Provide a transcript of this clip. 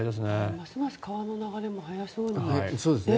ますます川の流れも速そうに見えますよね。